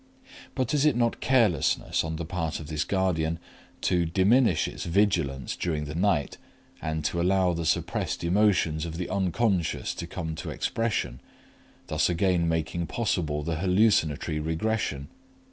But is it not carelessness on the part of this guardian to diminish its vigilance during the night and to allow the suppressed emotions of the Unc. to come to expression, thus again making possible the hallucinatory regression?